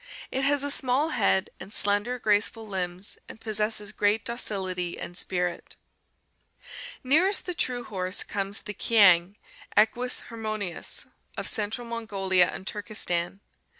It has a small head and slender, graceful limbs and possesses great docility and spirit Nearest the true horse comes the kiang, Equus hermonius, of central Mongolia and Turkestan.